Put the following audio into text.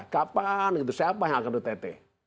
kapan siapa yang akan ott